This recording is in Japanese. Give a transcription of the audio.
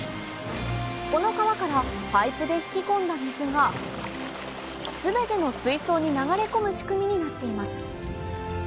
この川からパイプで引き込んだ水が全ての水槽に流れ込む仕組みになっています